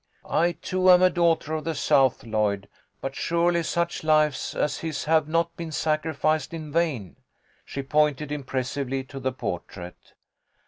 I, too, am a daughter of the South, Lloyd, but surely such lives as his have not been sacrificed in vain." She pointed impressively to the portrait.